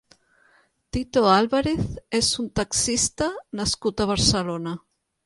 Tito Álvarez és un taxista nascut a Barcelona.